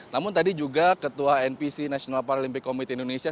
namun tadi juga ketua npc national paralympic committee indonesia